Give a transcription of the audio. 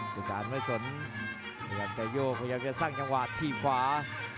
สถานไม่สนพยายามจะโยกพยายามจะสร้างจังหวะที่ขวา